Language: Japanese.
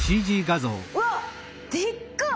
うわっでっか！